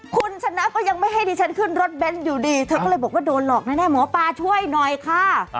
คุณชนะก็ยังไม่ให้ดิฉันขึ้นรถเบนส์อยู่ดีเธอก็เลยบอกว่าโดนหลอกแน่หมอปลาช่วยหน่อยค่ะ